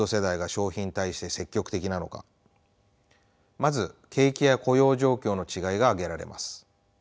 まず景気や雇用状況の違いが挙げられます。